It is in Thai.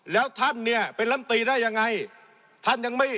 แล้วท่านเนี่ยเป็นรันตีได้ยังไง